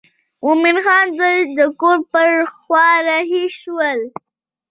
مومن خان دوی د کور پر خوا رهي شول.